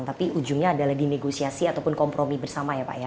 tapi ujungnya adalah di negosiasi ataupun kompromi bersama ya pak ya